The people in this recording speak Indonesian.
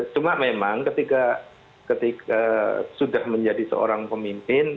cuma memang ketika sudah menjadi seorang pemimpin